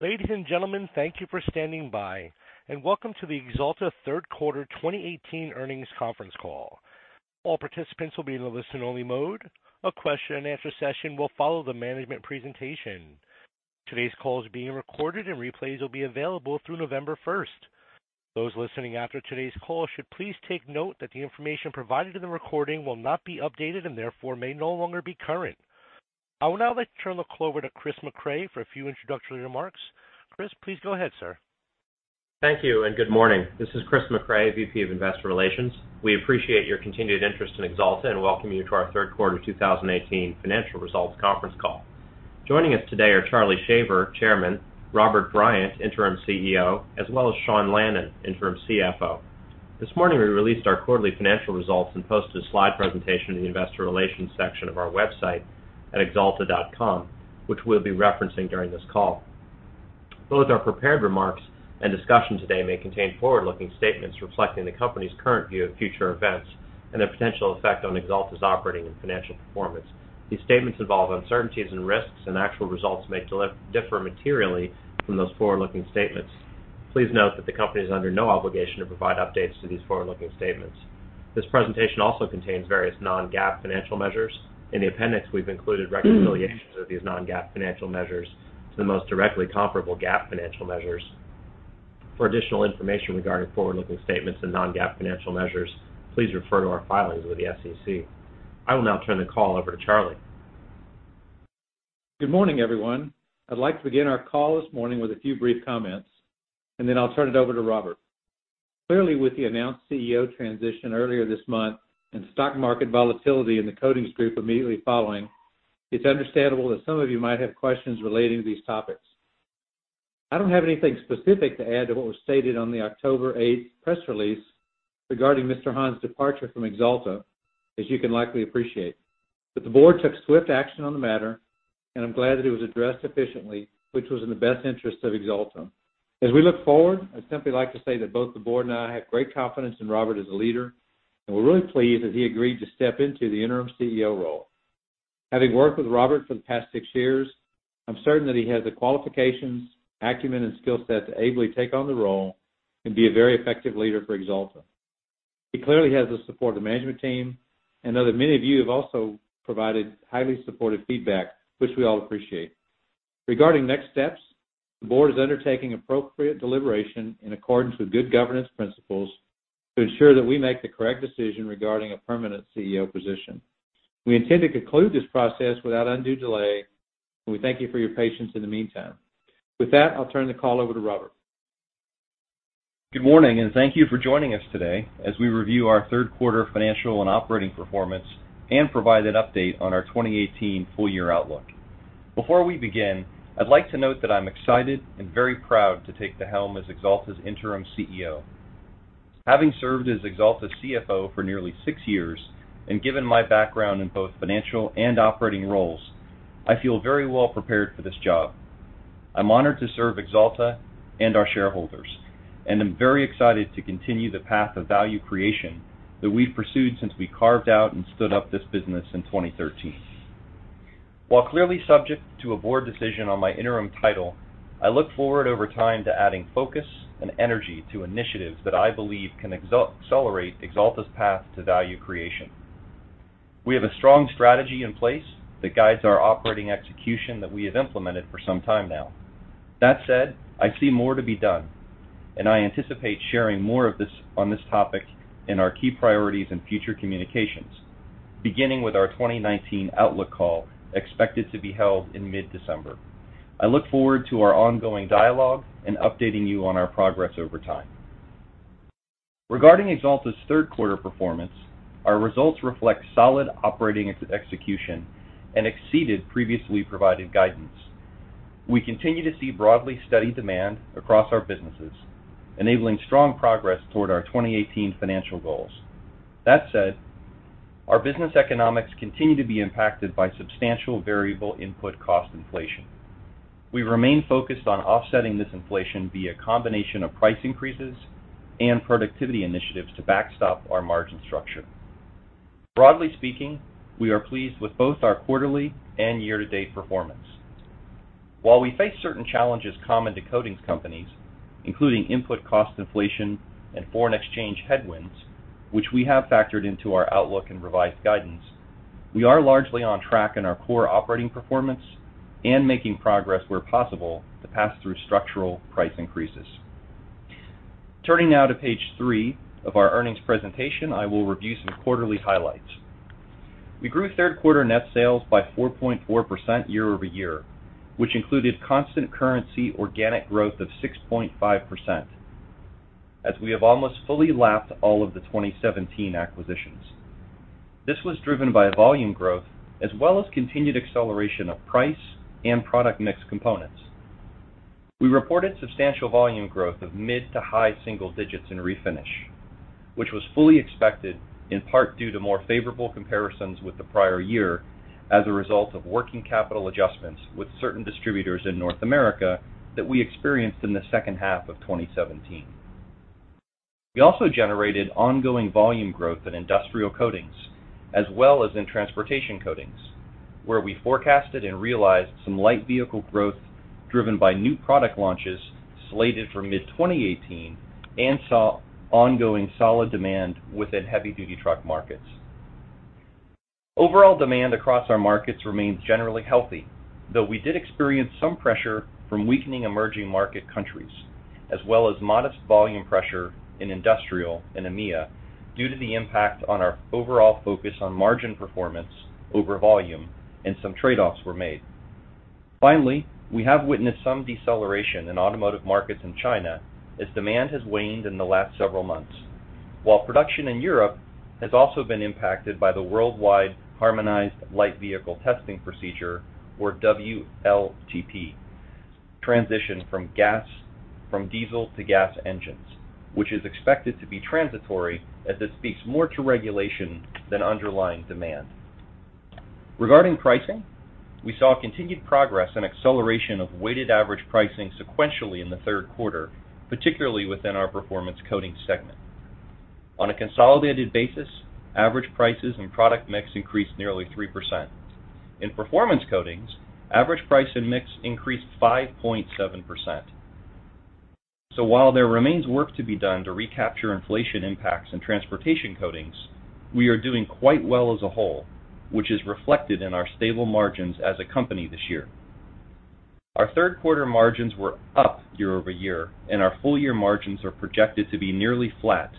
Ladies and gentlemen, thank you for standing by, and welcome to the Axalta third quarter 2018 earnings conference call. All participants will be in listen-only mode. A question-and-answer session will follow the management presentation. Today's call is being recorded, and replays will be available through November 1st. Those listening after today's call should please take note that the information provided in the recording will not be updated and therefore may no longer be current. I would now like to turn the call over to Chris Mecray for a few introductory remarks. Chris, please go ahead, sir. Thank you, and good morning. This is Chris Mecray, VP of Investor Relations. We appreciate your continued interest in Axalta and welcome you to our third quarter 2018 financial results conference call. Joining us today are Charlie Shaver, Chairman, Robert Bryant, Interim CEO, as well as Sean Lannon, Interim CFO. This morning, we released our quarterly financial results and posted a slide presentation in the investor relations section of our website at axalta.com, which we'll be referencing during this call. Both our prepared remarks and discussion today may contain forward-looking statements reflecting the company's current view of future events and the potential effect on Axalta's operating and financial performance. These statements involve uncertainties and risks, and actual results may differ materially from those forward-looking statements. Please note that the company is under no obligation to provide updates to these forward-looking statements. This presentation also contains various non-GAAP financial measures. In the appendix, we've included reconciliations of these non-GAAP financial measures to the most directly comparable GAAP financial measures. For additional information regarding forward-looking statements and non-GAAP financial measures, please refer to our filings with the SEC. I will now turn the call over to Charlie. Good morning, everyone. I'd like to begin our call this morning with a few brief comments, then I'll turn it over to Robert. Clearly, with the announced CEO transition earlier this month and the stock market volatility in the coatings group immediately following, it's understandable that some of you might have questions relating to these topics. I don't have anything specific to add to what was stated on the October 8th press release regarding Mr. Hahn's departure from Axalta, as you can likely appreciate. The board took swift action on the matter, and I'm glad that it was addressed efficiently, which was in the best interest of Axalta. As we look forward, I'd simply like to say that both the board and I have great confidence in Robert as a leader, and we're really pleased that he agreed to step into the Interim CEO role. Having worked with Robert Bryant for the past six years, I'm certain that he has the qualifications, acumen, and skill set to ably take on the role and be a very effective leader for Axalta. He clearly has the support of the management team and know that many of you have also provided highly supportive feedback, which we all appreciate. Regarding next steps, the board is undertaking appropriate deliberation in accordance with good governance principles to ensure that we make the correct decision regarding a permanent CEO position. We intend to conclude this process without undue delay. We thank you for your patience in the meantime. With that, I'll turn the call over to Robert Bryant. Good morning. Thank you for joining us today as we review our third quarter financial and operating performance and provide an update on our 2018 full-year outlook. Before we begin, I'd like to note that I'm excited and very proud to take the helm as Axalta's interim CEO. Having served as Axalta's CFO for nearly six years, and given my background in both financial and operating roles, I feel very well prepared for this job. I'm honored to serve Axalta and our shareholders, and I'm very excited to continue the path of value creation that we've pursued since we carved out and stood up this business in 2013. While clearly subject to a board decision on my interim title, I look forward over time to adding focus and energy to initiatives that I believe can accelerate Axalta's path to value creation. We have a strong strategy in place that guides our operating execution that we have implemented for some time now. That said, I see more to be done. I anticipate sharing more on this topic in our key priorities in future communications, beginning with our 2019 outlook call expected to be held in mid-December. I look forward to our ongoing dialogue and updating you on our progress over time. Regarding Axalta's third quarter performance, our results reflect solid operating execution and exceeded previously provided guidance. We continue to see broadly steady demand across our businesses, enabling strong progress toward our 2018 financial goals. That said, our business economics continue to be impacted by substantial variable input cost inflation. We remain focused on offsetting this inflation via a combination of price increases and productivity initiatives to backstop our margin structure. Broadly speaking, we are pleased with both our quarterly and year-to-date performance. While we face certain challenges common to coatings companies, including input cost inflation and foreign exchange headwinds, which we have factored into our outlook and revised guidance, we are largely on track in our core operating performance and making progress where possible to pass through structural price increases. Turning now to page three of our earnings presentation, I will review some quarterly highlights. We grew third quarter net sales by 4.4% year-over-year, which included constant currency organic growth of 6.5%, as we have almost fully lapped all of the 2017 acquisitions. This was driven by volume growth as well as continued acceleration of price and product mix components. We reported substantial volume growth of mid to high single digits in Refinish, which was fully expected, in part due to more favorable comparisons with the prior year as a result of working capital adjustments with certain distributors in North America that we experienced in the second half of 2017. We also generated ongoing volume growth in Industrial Coatings as well as in Transportation Coatings, where we forecasted and realized some light vehicle growth driven by new product launches slated for mid-2018 and saw ongoing solid demand within heavy-duty truck markets. Overall demand across our markets remains generally healthy, though we did experience some pressure from weakening emerging market countries, as well as modest volume pressure in Industrial and EMEA due to the impact on our overall focus on margin performance over volume and some trade-offs were made. We have witnessed some deceleration in automotive markets in China as demand has waned in the last several months. While production in Europe has also been impacted by the Worldwide Harmonized Light Vehicles Test Procedure, or WLTP, transition from diesel to gas engines, which is expected to be transitory as this speaks more to regulation than underlying demand. Regarding pricing, we saw continued progress and acceleration of weighted average pricing sequentially in the third quarter, particularly within our Performance Coatings segment. On a consolidated basis, average prices and product mix increased nearly 3%. In Performance Coatings, average price and mix increased 5.7%. While there remains work to be done to recapture inflation impacts in Transportation Coatings, we are doing quite well as a whole, which is reflected in our stable margins as a company this year. Our third quarter margins were up year-over-year, and our full year margins are projected to be nearly flat,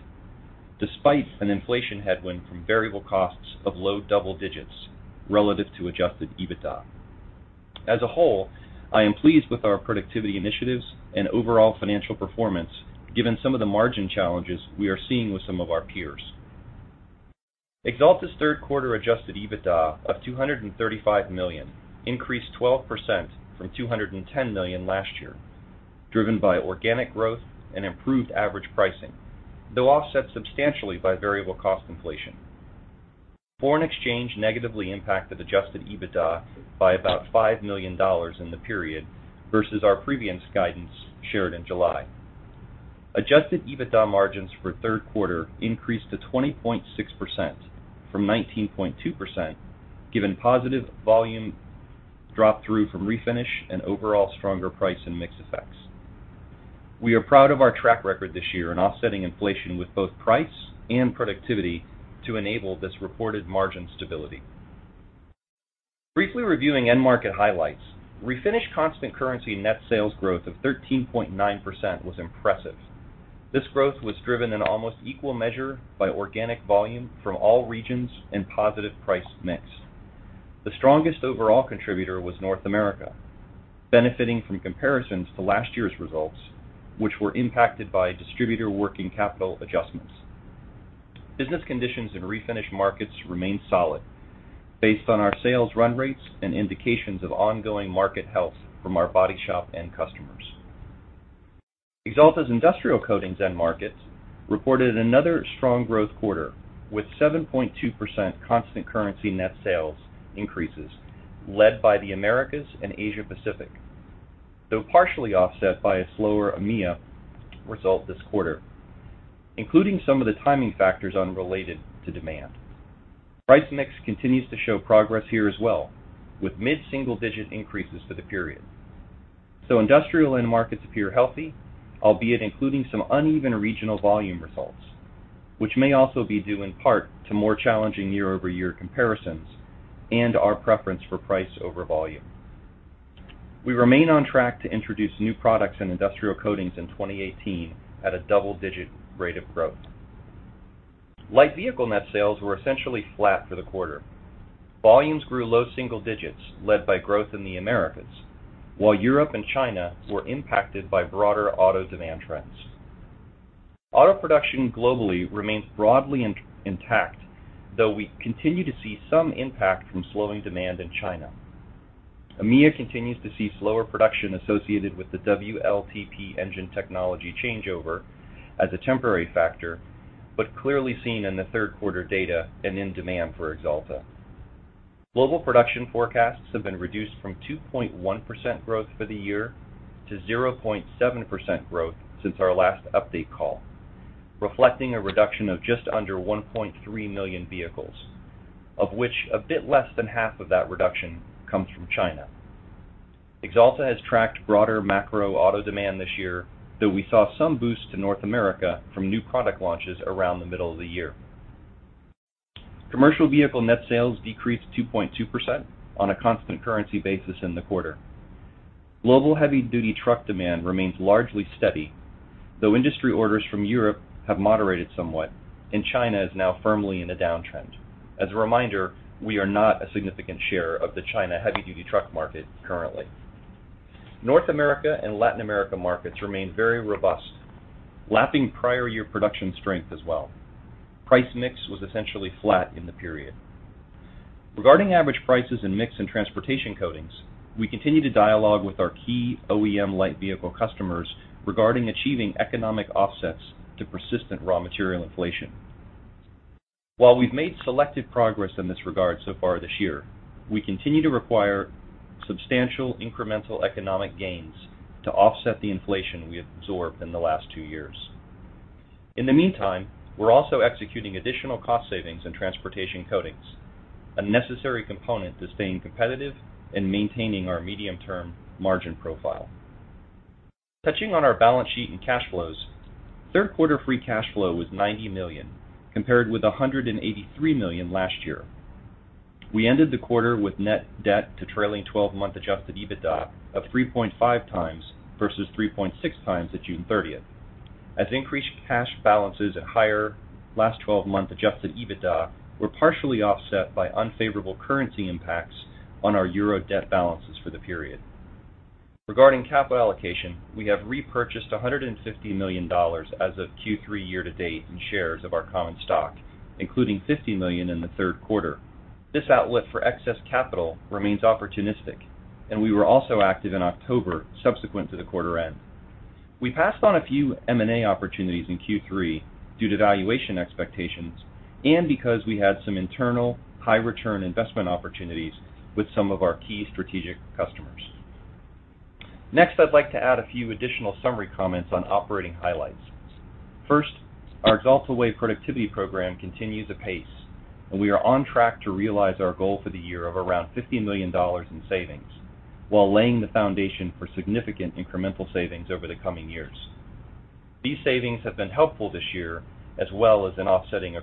despite an inflation headwind from variable costs of low double digits relative to adjusted EBITDA. As a whole, I am pleased with our productivity initiatives and overall financial performance, given some of the margin challenges we are seeing with some of our peers. Axalta's third quarter adjusted EBITDA of $235 million increased 12% from $210 million last year, driven by organic growth and improved average pricing, though offset substantially by variable cost inflation. Foreign exchange negatively impacted adjusted EBITDA by about $5 million in the period versus our previous guidance shared in July. Adjusted EBITDA margins for third quarter increased to 20.6% from 19.2%, given positive volume drop through from Refinish and overall stronger price and mix effects. We are proud of our track record this year in offsetting inflation with both price and productivity to enable this reported margin stability. Briefly reviewing end market highlights. Refinish constant currency net sales growth of 13.9% was impressive. This growth was driven in almost equal measure by organic volume from all regions and positive price mix. The strongest overall contributor was North America, benefiting from comparisons to last year's results, which were impacted by distributor working capital adjustments. Business conditions in Refinish markets remain solid based on our sales run rates and indications of ongoing market health from our body shop end customers. Axalta's Industrial Coatings end markets reported another strong growth quarter with 7.2% constant currency net sales increases led by the Americas and Asia Pacific, though partially offset by a slower EMEA result this quarter, including some of the timing factors unrelated to demand. Price mix continues to show progress here as well, with mid-single-digit increases for the period. Industrial end markets appear healthy, albeit including some uneven regional volume results, which may also be due in part to more challenging year-over-year comparisons and our preference for price over volume. We remain on track to introduce new products in Industrial Coatings in 2018 at a double-digit rate of growth. Light vehicle net sales were essentially flat for the quarter. Volumes grew low single digits led by growth in the Americas, while Europe and China were impacted by broader auto demand trends. Auto production globally remains broadly intact, though we continue to see some impact from slowing demand in China. EMEA continues to see slower production associated with the WLTP engine technology changeover as a temporary factor, but clearly seen in the third quarter data and in demand for Axalta. Global production forecasts have been reduced from 2.1% growth for the year to 0.7% growth since our last update call, reflecting a reduction of just under 1.3 million vehicles, of which a bit less than half of that reduction comes from China. Axalta has tracked broader macro auto demand this year, though we saw some boost to North America from new product launches around the middle of the year. Commercial Vehicle net sales decreased 2.2% on a constant currency basis in the quarter. Global heavy-duty truck demand remains largely steady, though industry orders from Europe have moderated somewhat and China is now firmly in a downtrend. As a reminder, we are not a significant sharer of the China heavy-duty truck market currently. North America and Latin America markets remain very robust, lapping prior year production strength as well. Price mix was essentially flat in the period. Regarding average prices and mix in Transportation Coatings, we continue to dialogue with our key OEM light vehicle customers regarding achieving economic offsets to persistent raw material inflation. While we've made selective progress in this regard so far this year, we continue to require substantial incremental economic gains to offset the inflation we absorbed in the last two years. In the meantime, we're also executing additional cost savings in Transportation Coatings, a necessary component to staying competitive and maintaining our medium-term margin profile. Touching on our balance sheet and cash flows, third quarter free cash flow was $90 million, compared with $183 million last year. We ended the quarter with net debt to trailing 12-month adjusted EBITDA of 3.5 times versus 3.6 times at June 30th, as increased cash balances at higher last 12-month adjusted EBITDA were partially offset by unfavorable currency impacts on our EUR debt balances for the period. Regarding capital allocation, we have repurchased $150 million as of Q3 year to date in shares of our common stock, including $50 million in the third quarter. This outlet for excess capital remains opportunistic, and we were also active in October subsequent to the quarter end. We passed on a few M&A opportunities in Q3 due to valuation expectations, and because we had some internal high return investment opportunities with some of our key strategic customers. Next, I'd like to add a few additional summary comments on operating highlights. First, our Axalta Way productivity program continues apace, and we are on track to realize our goal for the year of around $50 million in savings while laying the foundation for significant incremental savings over the coming years. These savings have been helpful this year, as well as in offsetting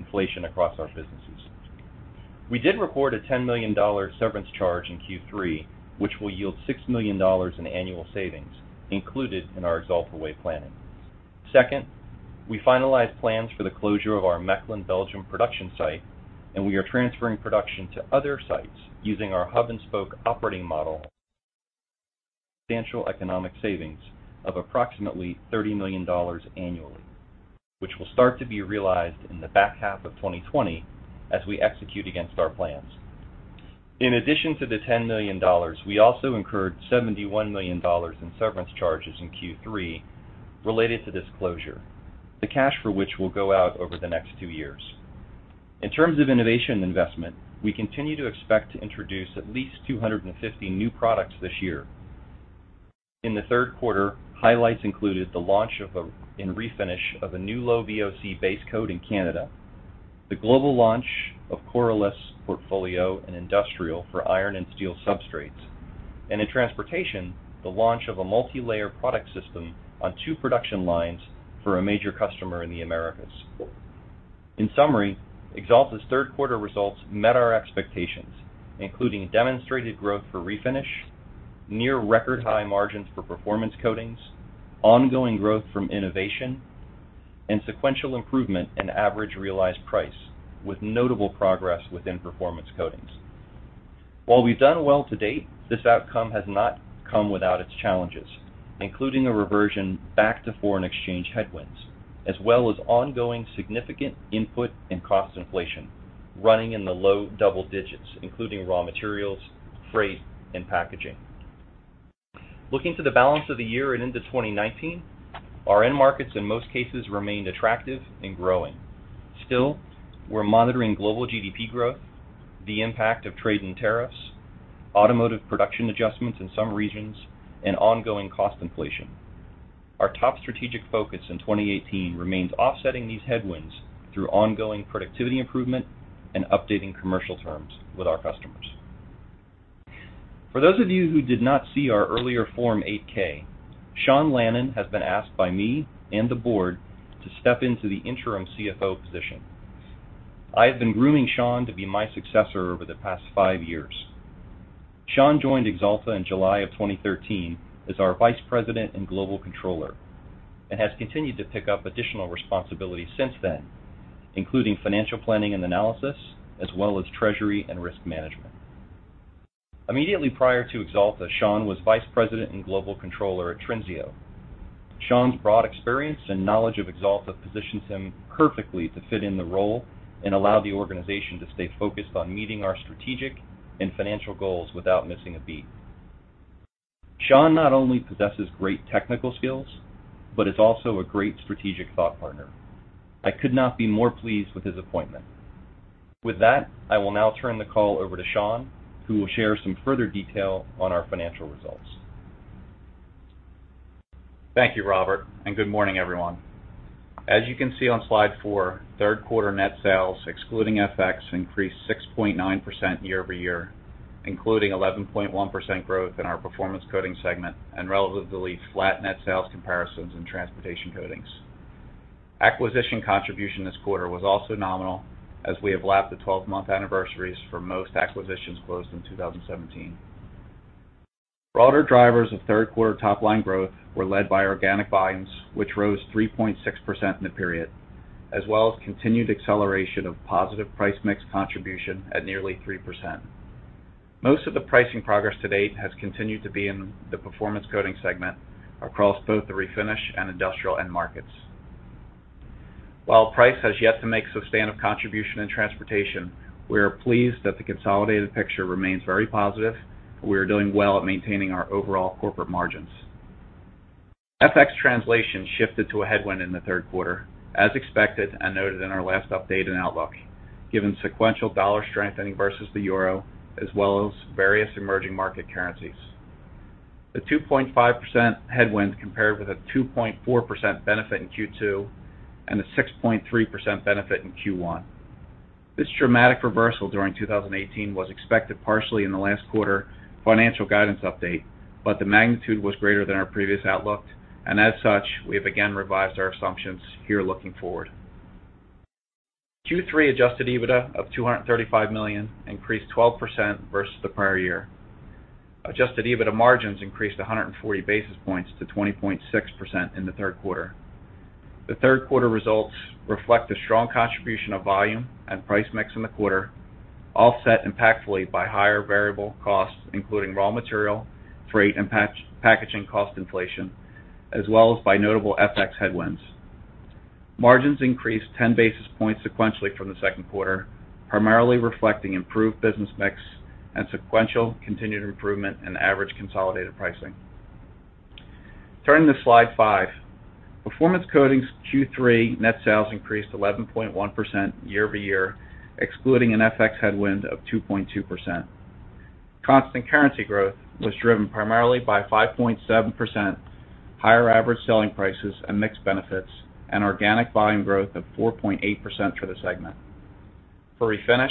inflation across our businesses. We did record a $10 million severance charge in Q3, which will yield $6 million in annual savings included in our Axalta Way planning. Second, we finalized plans for the closure of our Mechelen, Belgium production site, and we are transferring production to other sites using our hub and spoke operating model. Substantial economic savings of approximately $30 million annually, which will start to be realized in the back half of 2020 as we execute against our plans. In addition to the $10 million, we also incurred $71 million in severance charges in Q3 related to this closure, the cash for which will go out over the next two years. In terms of innovation investment, we continue to expect to introduce at least 250 new products this year. In the third quarter, highlights included the launch in Refinish of a new low VOC base coat in Canada, the global launch of Corroless portfolio in Industrial for iron and steel substrates, and in Transportation, the launch of a multilayer product system on two production lines for a major customer in the Americas. In summary, Axalta's third quarter results met our expectations, including demonstrated growth for Refinish, near record high margins for Performance Coatings, ongoing growth from innovation, and sequential improvement in average realized price, with notable progress within Performance Coatings. While we've done well to date, this outcome has not come without its challenges, including a reversion back to foreign exchange headwinds, as well as ongoing significant input and cost inflation running in the low double digits, including raw materials, freight, and packaging. Looking to the balance of the year and into 2019, our end markets in most cases remained attractive and growing. Still, we're monitoring global GDP growth, the impact of trade and tariffs, automotive production adjustments in some regions, and ongoing cost inflation. Our top strategic focus in 2018 remains offsetting these headwinds through ongoing productivity improvement and updating commercial terms with our customers. For those of you who did not see our earlier Form 8-K, Sean Lannon has been asked by me and the board to step into the interim CFO position. I have been grooming Sean to be my successor over the past five years. Sean joined Axalta in July of 2013 as our vice president and global controller, and has continued to pick up additional responsibility since then, including financial planning and analysis, as well as treasury and risk management. Immediately prior to Axalta, Sean was vice president and global controller at Trinseo. Sean's broad experience and knowledge of Axalta positions him perfectly to fit in the role and allow the organization to stay focused on meeting our strategic and financial goals without missing a beat. Sean not only possesses great technical skills, but is also a great strategic thought partner. I could not be more pleased with his appointment. With that, I will now turn the call over to Sean, who will share some further detail on our financial results. Thank you, Robert, good morning, everyone. As you can see on slide four, third quarter net sales, excluding FX, increased 6.9% year-over-year, including 11.1% growth in our Performance Coatings segment and relatively flat net sales comparisons in Transportation Coatings. Acquisition contribution this quarter was also nominal, as we have lapped the 12-month anniversaries for most acquisitions closed in 2017. Broader drivers of third quarter top line growth were led by organic volumes, which rose 3.6% in the period, as well as continued acceleration of positive price mix contribution at nearly 3%. Most of the pricing progress to date has continued to be in the Performance Coatings segment across both the Refinish and Industrial end markets. While price has yet to make substantive contribution in Transportation, we are pleased that the consolidated picture remains very positive. We are doing well at maintaining our overall corporate margins. FX translation shifted to a headwind in the third quarter, as expected and noted in our last update and outlook, given sequential dollar strengthening versus the EUR, as well as various emerging market currencies. A 2.5% headwind compared with a 2.4% benefit in Q2 and a 6.3% benefit in Q1. This dramatic reversal during 2018 was expected partially in the last quarter financial guidance update, but the magnitude was greater than our previous outlook. As such, we have again revised our assumptions here looking forward. Q3 Adjusted EBITDA of $235 million increased 12% versus the prior year. Adjusted EBITDA margins increased 140 basis points to 20.6% in the third quarter. The third quarter results reflect the strong contribution of volume and price mix in the quarter, offset impactfully by higher variable costs, including raw material, freight, and packaging cost inflation, as well as by notable FX headwinds. Margins increased 10 basis points sequentially from the second quarter, primarily reflecting improved business mix and sequential continued improvement in average consolidated pricing. Turning to slide five. Performance Coatings' Q3 net sales increased 11.1% year-over-year, excluding an FX headwind of 2.2%. Constant currency growth was driven primarily by 5.7% higher average selling prices and mix benefits. Organic volume growth of 4.8% for the segment. For Refinish,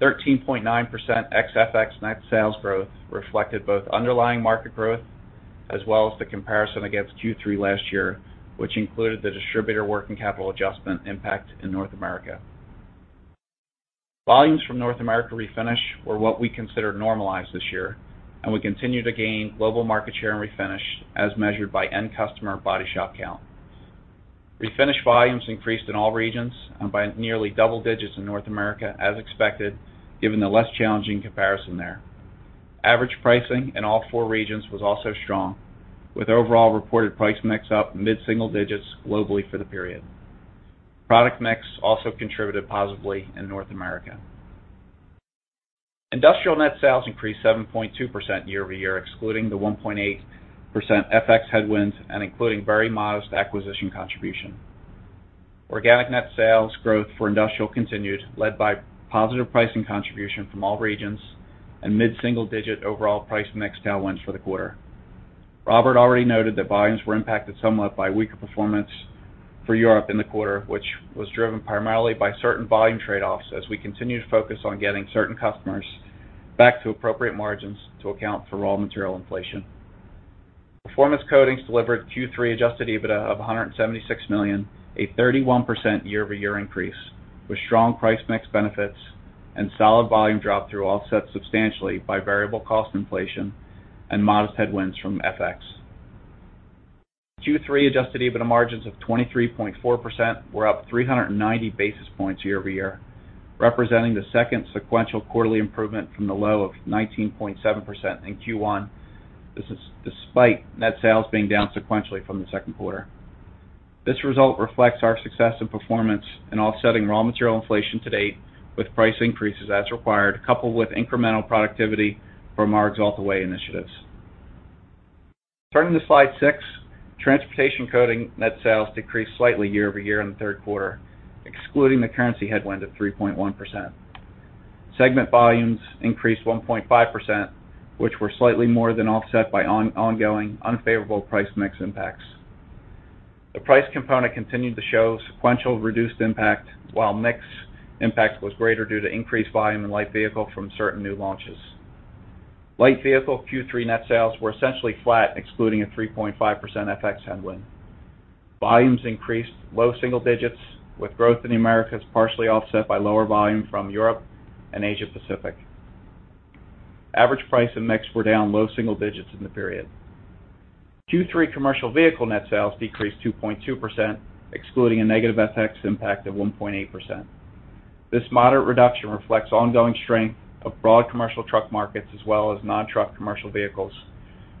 13.9% ex FX net sales growth reflected both underlying market growth as well as the comparison against Q3 last year, which included the distributor working capital adjustment impact in North America. Volumes from North America Refinish were what we consider normalized this year. We continue to gain global market share in Refinish as measured by end customer body shop count. Refinish volumes increased in all regions by nearly double digits in North America as expected, given the less challenging comparison there. Average pricing in all four regions was also strong, with overall reported price mix up mid-single digits globally for the period. Product mix also contributed positively in North America. Industrial net sales increased 7.2% year-over-year, excluding the 1.8% FX headwinds and including very modest acquisition contribution. Organic net sales growth for Industrial continued, led by positive pricing contribution from all regions and mid-single digit overall price mix tailwinds for the quarter. Robert already noted that volumes were impacted somewhat by weaker performance for Europe in the quarter, which was driven primarily by certain volume trade-offs as we continue to focus on getting certain customers back to appropriate margins to account for raw material inflation. Performance Coatings delivered Q3 adjusted EBITDA of $176 million, a 31% year-over-year increase, with strong price mix benefits and solid volume drop through offset substantially by variable cost inflation and modest headwinds from FX. Q3 adjusted EBITDA margins of 23.4% were up 390 basis points year-over-year, representing the second sequential quarterly improvement from the low of 19.7% in Q1. This is despite net sales being down sequentially from the second quarter. This result reflects our success and performance in offsetting raw material inflation to date with price increases as required, coupled with incremental productivity from our Axalta Way initiatives. Turning to slide six. Transportation Coatings net sales decreased slightly year-over-year in the third quarter, excluding the currency headwind of 3.1%. Segment volumes increased 1.5%, which were slightly more than offset by ongoing unfavorable price mix impacts. The price component continued to show sequential reduced impact, while mix impact was greater due to increased volume in light vehicle from certain new launches. Light vehicle Q3 net sales were essentially flat, excluding a 3.5% FX headwind. Volumes increased low single digits, with growth in the Americas partially offset by lower volume from Europe and Asia Pacific. Average price and mix were down low single digits in the period. Q3 commercial vehicle net sales decreased 2.2%, excluding a negative FX impact of 1.8%. This moderate reduction reflects ongoing strength of broad commercial truck markets as well as non-truck commercial vehicles.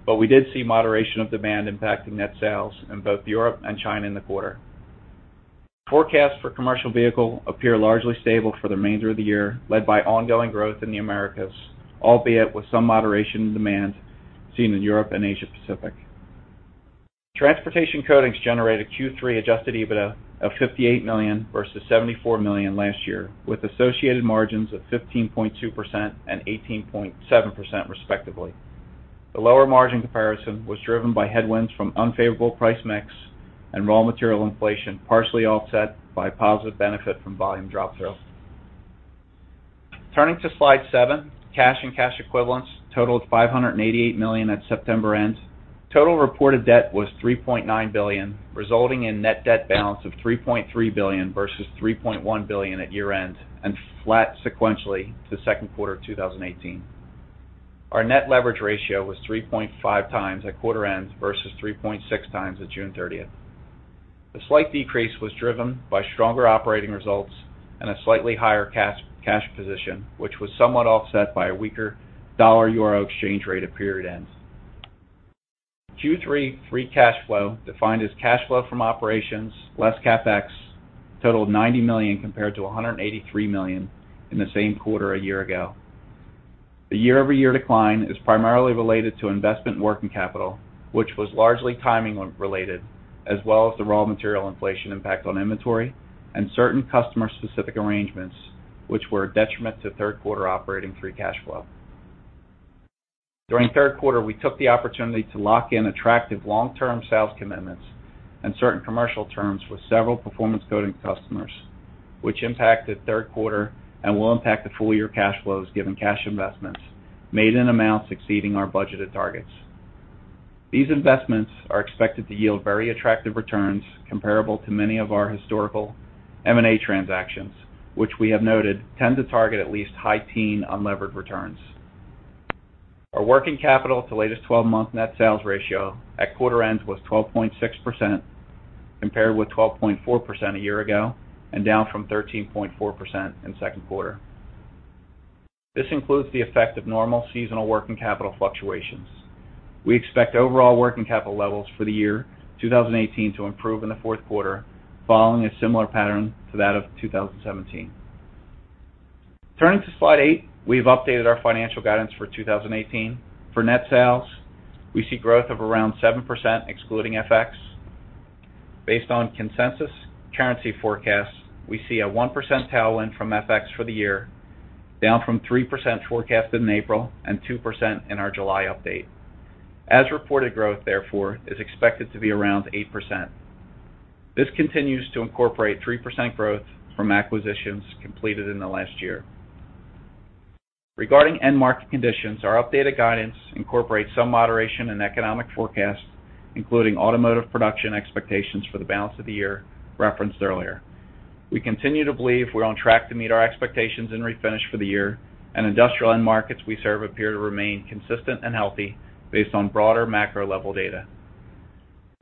We did see moderation of demand impacting net sales in both Europe and China in the quarter. Forecasts for commercial vehicle appear largely stable for the remainder of the year, led by ongoing growth in the Americas, albeit with some moderation in demand seen in Europe and Asia Pacific. Transportation Coatings generated Q3 adjusted EBITDA of $58 million versus $74 million last year, with associated margins of 15.2% and 18.7% respectively. The lower margin comparison was driven by headwinds from unfavorable price mix and raw material inflation, partially offset by positive benefit from volume drop through. Turning to slide seven. Cash and cash equivalents totaled $588 million at September end. Total reported debt was $3.9 billion, resulting in net debt balance of $3.3 billion versus $3.1 billion at year-end and flat sequentially to the second quarter of 2018. Our net leverage ratio was 3.5 times at quarter end versus 3.6 times at June 30th. The slight decrease was driven by stronger operating results and a slightly higher cash position, which was somewhat offset by a weaker dollar/euro exchange rate at period end. Q3 free cash flow, defined as cash flow from operations less CapEx, totaled $90 million compared to $183 million in the same quarter a year ago. The year-over-year decline is primarily related to investment working capital, which was largely timing related, as well as the raw material inflation impact on inventory and certain customer-specific arrangements, which were a detriment to third quarter operating free cash flow. During third quarter, we took the opportunity to lock in attractive long-term sales commitments and certain commercial terms with several Performance Coatings customers, which impacted third quarter and will impact the full-year cash flows given cash investments made in amounts exceeding our budgeted targets. These investments are expected to yield very attractive returns comparable to many of our historical M&A transactions, which we have noted tend to target at least high teen unlevered returns. Our working capital to latest 12-month net sales ratio at quarter end was 12.6%, compared with 12.4% a year ago, and down from 13.4% in second quarter. This includes the effect of normal seasonal working capital fluctuations. We expect overall working capital levels for the year 2018 to improve in the fourth quarter, following a similar pattern to that of 2017. Turning to slide eight. We've updated our financial guidance for 2018. For net sales, we see growth of around 7%, excluding FX. Based on consensus currency forecasts, we see a 1% tailwind from FX for the year, down from 3% forecasted in April and 2% in our July update. As reported growth, therefore, is expected to be around 8%. This continues to incorporate 3% growth from acquisitions completed in the last year. Regarding end market conditions, our updated guidance incorporates some moderation in economic forecasts, including automotive production expectations for the balance of the year referenced earlier. We continue to believe we're on track to meet our expectations in Refinish for the year, and industrial end markets we serve appear to remain consistent and healthy based on broader macro level data.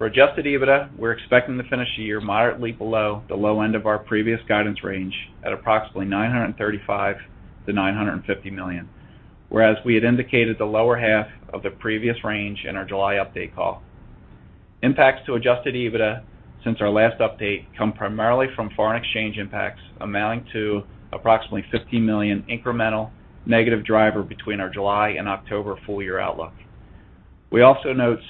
For adjusted EBITDA, we're expecting to finish the year moderately below the low end of our previous guidance range at approximately $935 million-$950 million, whereas we had indicated the lower half of the previous range in our July update call. Impacts to adjusted EBITDA since our last update come primarily from foreign exchange impacts amounting to approximately $15 million incremental negative driver between our July and October full year outlook. Guidance for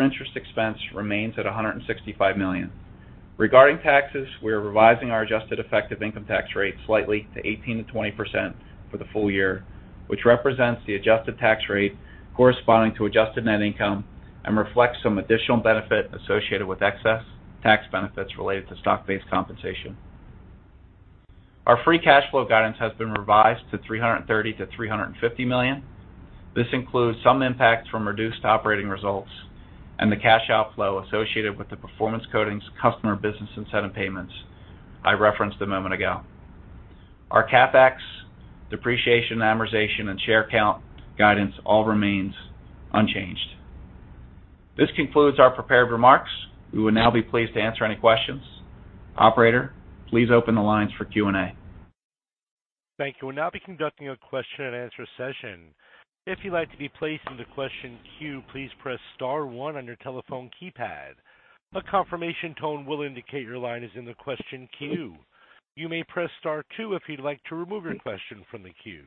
interest expense remains at $165 million. Regarding taxes, we are revising our adjusted effective income tax rate slightly to 18%-20% for the full year, which represents the adjusted tax rate corresponding to adjusted net income and reflects some additional benefit associated with excess tax benefits related to stock-based compensation. Our free cash flow guidance has been revised to $330 million-$350 million. This includes some impact from reduced operating results and the cash outflow associated with the Performance Coatings customer business incentive payments I referenced a moment ago. Our CapEx, depreciation, amortization, and share count guidance all remains unchanged. This concludes our prepared remarks. We would now be pleased to answer any questions. Operator, please open the lines for Q&A. Thank you. We'll now be conducting a question and answer session. If you'd like to be placed into question queue, please press star one on your telephone keypad. A confirmation tone will indicate your line is in the question queue. You may press star two if you'd like to remove your question from the queue.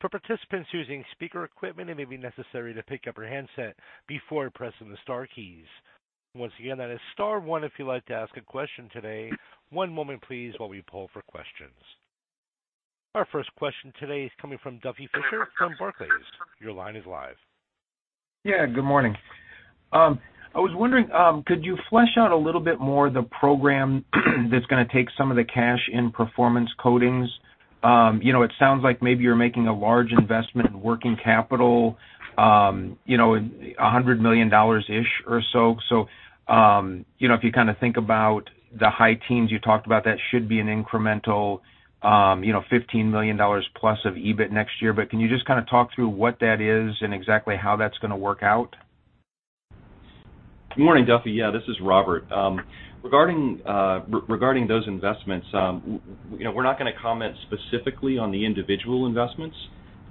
For participants using speaker equipment, it may be necessary to pick up your handset before pressing the star keys. Once again, that is star one if you'd like to ask a question today. One moment please while we poll for questions. Our first question today is coming from Duffy Fischer from Barclays. Your line is live. Yeah, good morning. I was wondering, could you flesh out a little bit more the program that's going to take some of the cash in Performance Coatings? It sounds like maybe you're making a large investment in working capital, $100 million-ish or so. If you kind of think about the high teens you talked about, that should be an incremental $15 million plus of EBIT next year. Can you just kind of talk through what that is and exactly how that's going to work out? Good morning, Duffy. Yeah, this is Robert. Regarding those investments, we're not going to comment specifically on the individual investments,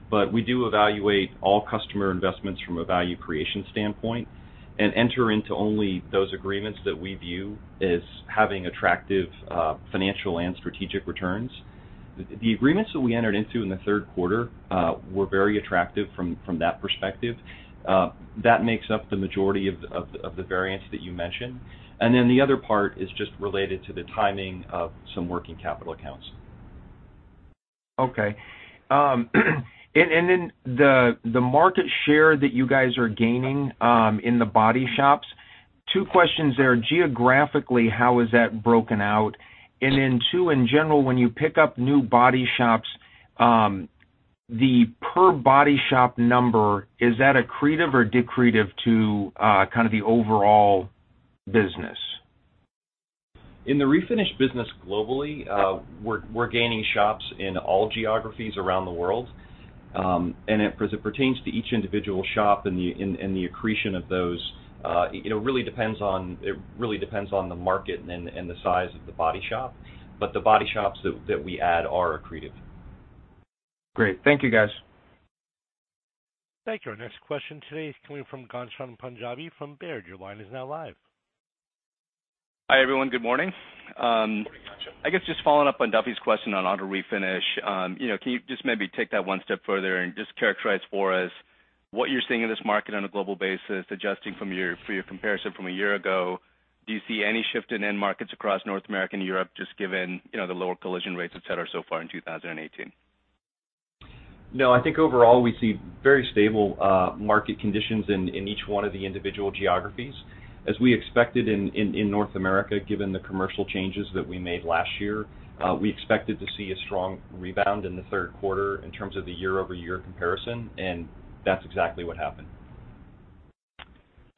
but we do evaluate all customer investments from a value creation standpoint and enter into only those agreements that we view as having attractive financial and strategic returns. The agreements that we entered into in the third quarter were very attractive from that perspective. That makes up the majority of the variance that you mentioned. The other part is just related to the timing of some working capital accounts. Okay. The market share that you guys are gaining in the body shops, two questions there. Geographically, how is that broken out? Two, in general, when you pick up new body shops, the per body shop number, is that accretive or decretive to kind of the overall business? In the Refinish business globally, we're gaining shops in all geographies around the world. As it pertains to each individual shop and the accretion of those, it really depends on the market and the size of the body shop. The body shops that we add are accretive. Great. Thank you, guys. Thank you. Our next question today is coming from Ghansham Panjabi from Baird. Your line is now live. Hi, everyone. Good morning. Good morning, Ghansham. I guess just following up on Duffy’s question on auto refinish. Can you just maybe take that one step further and just characterize for us what you’re seeing in this market on a global basis, adjusting for your comparison from a year ago. Do you see any shift in end markets across North America and Europe, just given the lower collision rates, et cetera, so far in 2018? No, I think overall, we see very stable market conditions in each one of the individual geographies. As we expected in North America, given the commercial changes that we made last year, we expected to see a strong rebound in the third quarter in terms of the year-over-year comparison, and that’s exactly what happened.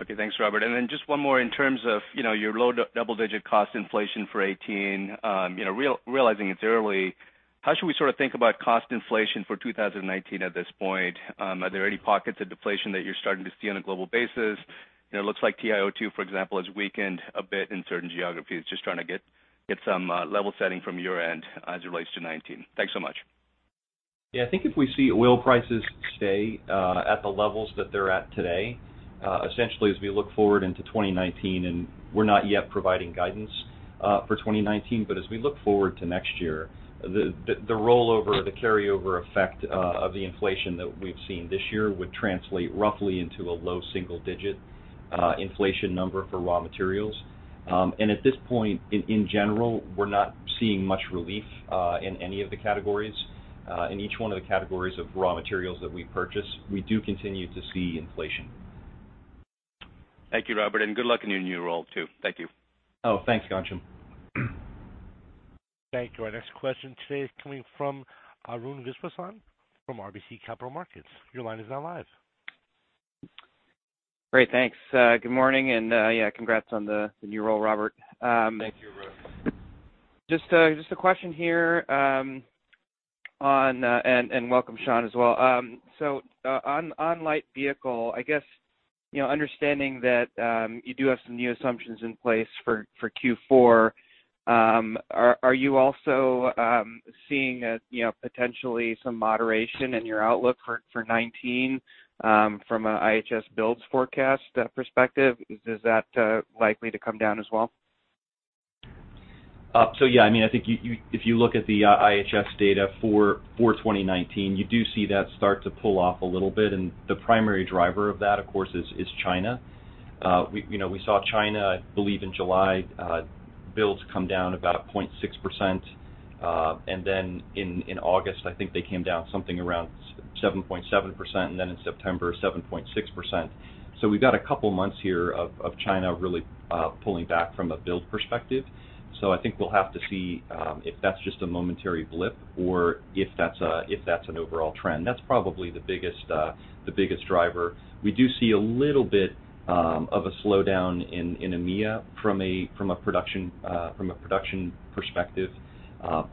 Okay. Thanks, Robert. Then just one more in terms of your low double-digit cost inflation for 2018. Realizing it’s early, how should we think about cost inflation for 2019 at this point? Are there any pockets of deflation that you’re starting to see on a global basis? It looks like TiO2, for example, has weakened a bit in certain geographies. Just trying to get some level setting from your end as it relates to 2019. Thanks so much. Yeah, I think if we see oil prices stay at the levels that they're at today, essentially as we look forward into 2019, we're not yet providing guidance for 2019. As we look forward to next year, the rollover, the carryover effect of the inflation that we've seen this year would translate roughly into a low single-digit inflation number for raw materials. At this point, in general, we're not seeing much relief in any of the categories. In each one of the categories of raw materials that we purchase, we do continue to see inflation. Thank you, Robert, good luck in your new role, too. Thank you. Oh, thanks, Ghansham. Thank you. Our next question today is coming from Arun Viswanathan from RBC Capital Markets. Your line is now live. Great, thanks. Good morning, and congrats on the new role, Robert. Thank you, Arun. Just a question here, and welcome, Sean, as well. On light vehicle, I guess understanding that you do have some new assumptions in place for Q4, are you also seeing potentially some moderation in your outlook for 2019 from a IHS builds forecast perspective? Is that likely to come down as well? Yeah. I think if you look at the IHS data for 2019, you do see that start to pull off a little bit, and the primary driver of that, of course, is China. We saw China, I believe in July, builds come down about 0.6%. In August, I think they came down something around 7.7%, in September, 7.6%. We've got a couple months here of China really pulling back from a build perspective. I think we'll have to see if that's just a momentary blip or if that's an overall trend. That's probably the biggest driver. We do see a little bit of a slowdown in EMEA from a production perspective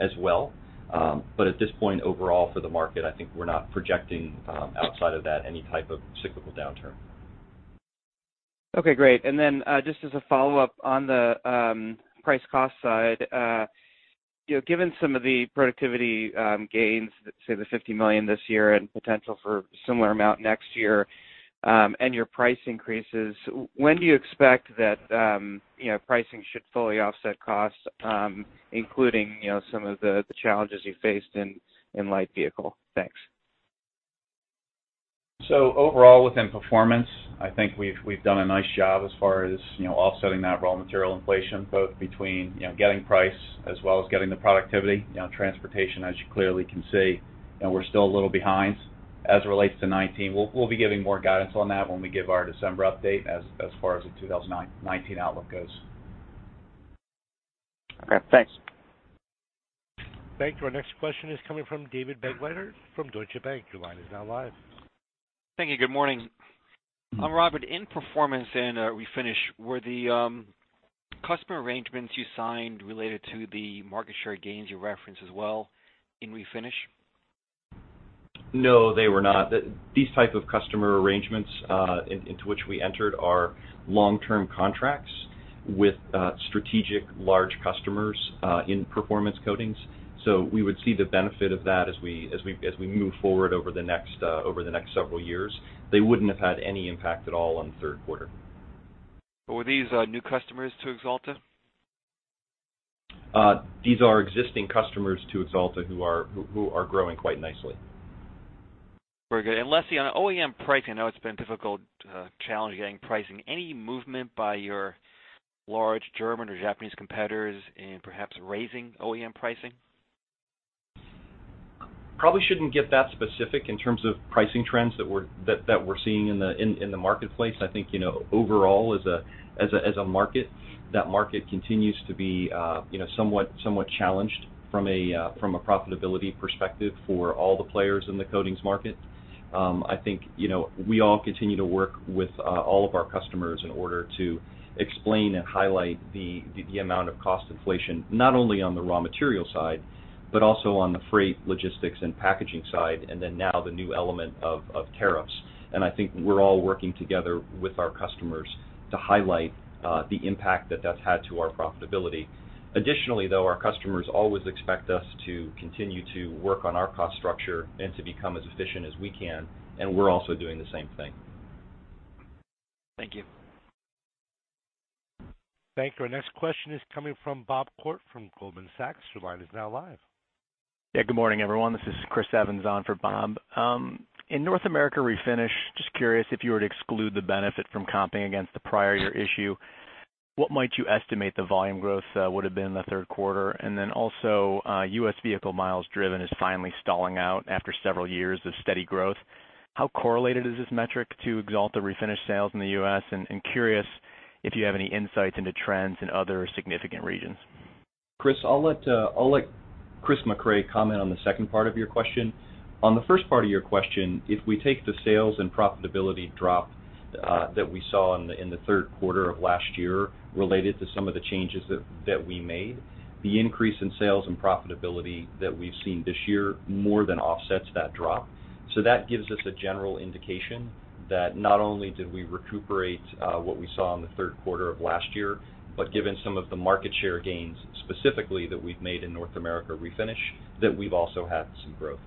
as well. At this point, overall for the market, I think we're not projecting outside of that any type of cyclical downturn. Okay, great. Just as a follow-up on the price cost side. Given some of the productivity gains, say the $50 million this year and potential for similar amount next year, and your price increases, when do you expect that pricing should fully offset costs, including some of the challenges you faced in light vehicle? Thanks. Overall, within Performance Coatings, I think we've done a nice job as far as offsetting that raw material inflation, both between getting price as well as getting the productivity. Transportation Coatings, as you clearly can see, we're still a little behind. As it relates to 2019, we'll be giving more guidance on that when we give our December update as far as the 2019 outlook goes. Okay, thanks. Thank you. Our next question is coming from David Begleiter from Deutsche Bank. Your line is now live. Thank you. Good morning. Robert, in performance and refinish, were the customer arrangements you signed related to the market share gains you referenced as well in refinish? No, they were not. These type of customer arrangements into which we entered are long-term contracts with strategic large customers in Performance Coatings. We would see the benefit of that as we move forward over the next several years. They wouldn't have had any impact at all on the third quarter. Were these new customers to Axalta? These are existing customers to Axalta who are growing quite nicely. Very good. Lastly, on OEM pricing, I know it's been a difficult challenge getting pricing. Any movement by your large German or Japanese competitors in perhaps raising OEM pricing? Probably shouldn't get that specific in terms of pricing trends that we're seeing in the marketplace. I think overall as a market, that market continues to be somewhat challenged from a profitability perspective for all the players in the coatings market. I think we all continue to work with all of our customers in order to explain and highlight the amount of cost inflation, not only on the raw material side, but also on the freight, logistics, and packaging side, and then now the new element of tariffs. I think we're all working together with our customers to highlight the impact that that's had to our profitability. Additionally, though, our customers always expect us to continue to work on our cost structure and to become as efficient as we can, and we're also doing the same thing. Thank you. Thank you. Our next question is coming from Bob Koort from Goldman Sachs. Your line is now live. Good morning, everyone. This is Chris Evans on for Bob. In North America Refinish, just curious, if you were to exclude the benefit from comping against the prior year issue, what might you estimate the volume growth would've been in the third quarter? Also, U.S. vehicle miles driven is finally stalling out after several years of steady growth. How correlated is this metric to Axalta Refinish sales in the U.S.? Curious if you have any insights into trends in other significant regions. Chris, I'll let Chris Mecray comment on the second part of your question. On the first part of your question, if we take the sales and profitability drop that we saw in the third quarter of last year related to some of the changes that we made, the increase in sales and profitability that we've seen this year more than offsets that drop. That gives us a general indication that not only did we recuperate what we saw in the third quarter of last year, but given some of the market share gains specifically that we've made in North America Refinish, that we've also had some growth.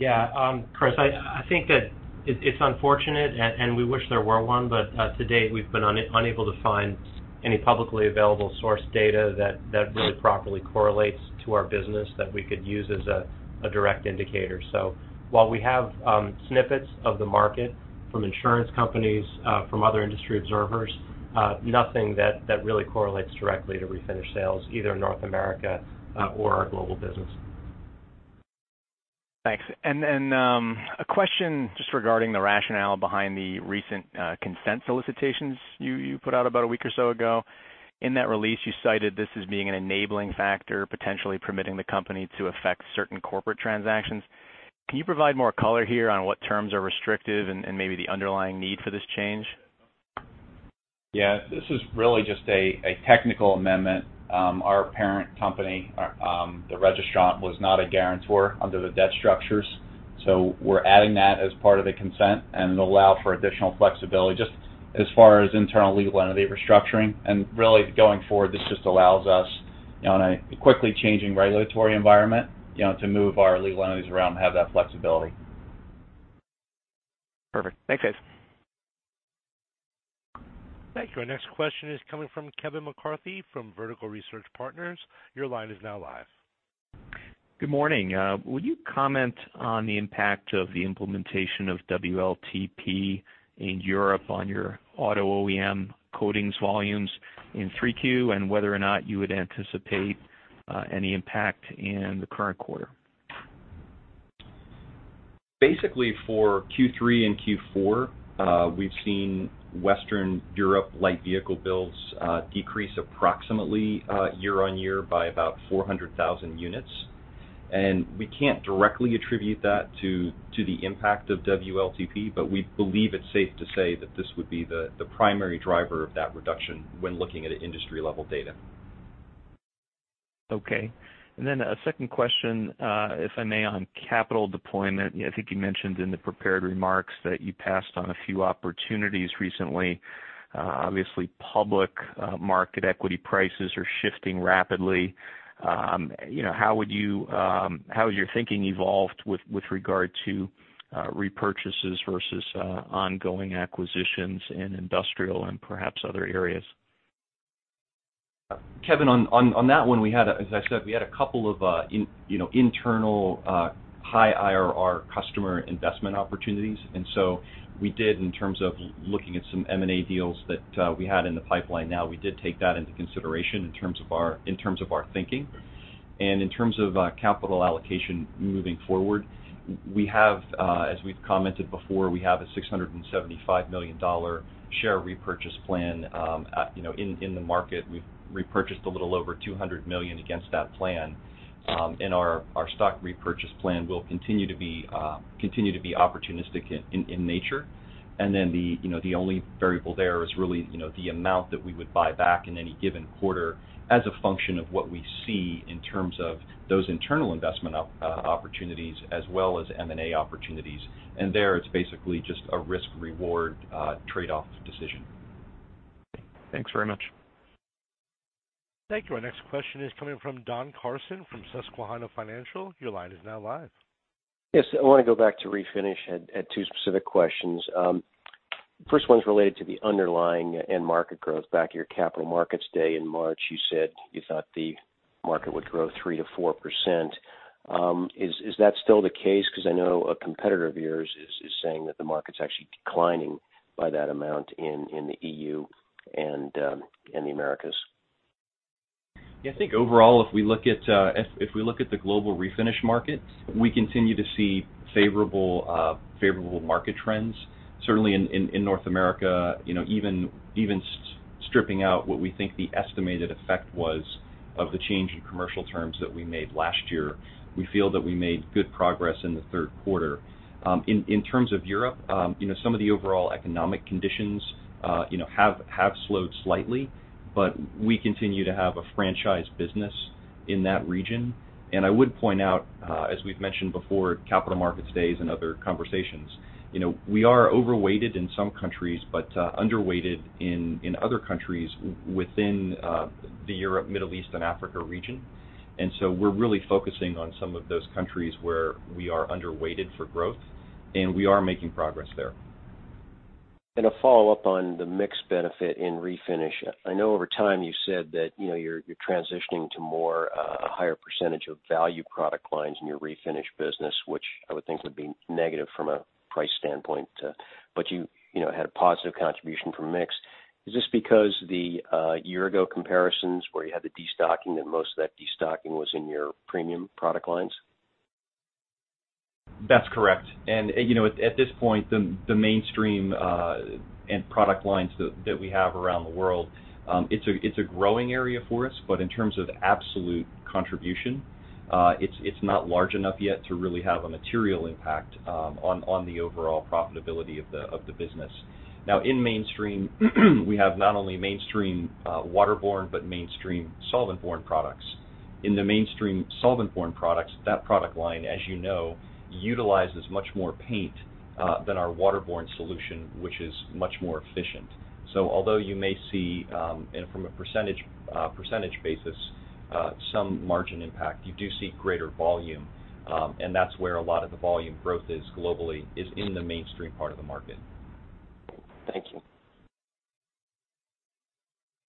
Chris, I think that it's unfortunate, and we wish there were one, but to date, we've been unable to find any publicly available source data that really properly correlates to our business that we could use as a direct indicator. While we have snippets of the market from insurance companies, from other industry observers, nothing that really correlates directly to Refinish sales, either in North America or our global business. Thanks. A question just regarding the rationale behind the recent consent solicitations you put out about a week or so ago. In that release, you cited this as being an enabling factor, potentially permitting the company to affect certain corporate transactions. Can you provide more color here on what terms are restrictive and maybe the underlying need for this change? This is really just a technical amendment. Our parent company, the registrant, was not a guarantor under the debt structures, we're adding that as part of the consent, and it'll allow for additional flexibility, just as far as internal legal entity restructuring. Really, going forward, this just allows us, in a quickly changing regulatory environment, to move our legal entities around and have that flexibility. Perfect. Thanks, guys. Thank you. Our next question is coming from Kevin McCarthy from Vertical Research Partners. Your line is now live. Good morning. Will you comment on the impact of the implementation of WLTP in Europe on your auto OEM coatings volumes in 3Q and whether or not you would anticipate any impact in the current quarter? Basically, for Q3 and Q4, we've seen Western Europe light vehicle builds decrease approximately year-on-year by about 400,000 units. We can't directly attribute that to the impact of WLTP, we believe it's safe to say that this would be the primary driver of that reduction when looking at industry level data. Okay. Then a second question, if I may, on capital deployment. I think you mentioned in the prepared remarks that you passed on a few opportunities recently. Obviously, public market equity prices are shifting rapidly. How has your thinking evolved with regard to repurchases versus ongoing acquisitions in industrial and perhaps other areas? Kevin, on that one, as I said, we had a couple of internal high IRR customer investment opportunities, we did, in terms of looking at some M&A deals that we had in the pipeline now, we did take that into consideration in terms of our thinking. In terms of capital allocation moving forward, as we've commented before, we have a $675 million share repurchase plan. In the market, we've repurchased a little over $200 million against that plan. Our stock repurchase plan will continue to be opportunistic in nature. The only variable there is really the amount that we would buy back in any given quarter as a function of what we see in terms of those internal investment opportunities as well as M&A opportunities. There, it's basically just a risk reward trade-off decision. Thanks very much. Thank you. Our next question is coming from Don Carson from Susquehanna Financial. Your line is now live. Yes. I want to go back to Refinish. I had two specific questions. First one's related to the underlying end market growth. Back at your Capital Markets Day in March, you said you thought the market would grow 3%-4%. Is that still the case? Because I know a competitor of yours is saying that the market's actually declining by that amount in the EU and the Americas. Yeah. I think overall, if we look at the global Refinish market, we continue to see favorable market trends. Certainly in North America, even stripping out what we think the estimated effect was of the change in commercial terms that we made last year, we feel that we made good progress in the third quarter. In terms of Europe, some of the overall economic conditions have slowed slightly, but we continue to have a franchise business in that region. I would point out, as we've mentioned before at Capital Markets Days and other conversations, we are overweighted in some countries, but underweighted in other countries within the Europe, Middle East, and Africa region. So we're really focusing on some of those countries where we are underweighted for growth. We are making progress there. A follow-up on the mix benefit in Refinish. I know over time you said that you're transitioning to a higher percentage of value product lines in your Refinish business, which I would think would be negative from a price standpoint. You had a positive contribution from mix. Is this because the year-ago comparisons where you had the destocking and most of that destocking was in your premium product lines? That's correct. At this point, the mainstream and product lines that we have around the world, it's a growing area for us, but in terms of absolute contribution, it's not large enough yet to really have a material impact on the overall profitability of the business. Now, in mainstream, we have not only mainstream waterborne, but mainstream solventborne products. In the mainstream solventborne products, that product line, as you know, utilizes much more paint than our waterborne solution, which is much more efficient. Although you may see, and from a percentage basis, some margin impact, you do see greater volume. That's where a lot of the volume growth is globally, is in the mainstream part of the market. Thank you.